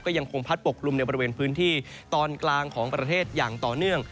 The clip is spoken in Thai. ยังคงพัดปกลุ่มในบริเวณพื้นที่ตอนกลางของประเทศอย่างต่อเนื่อง